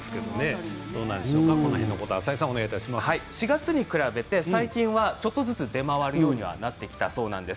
４月に比べて最近はちょっとずつ出回るようになってきたそうです。